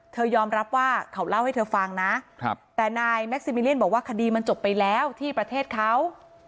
ยอมรับว่าเขาเล่าให้เธอฟังนะแต่นายแม็กซิมิเลียนบอกว่าคดีมันจบไปแล้วที่ประเทศเขา